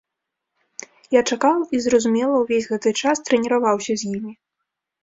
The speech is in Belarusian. Я чакаў і, зразумела, увесь гэты час трэніраваўся з імі.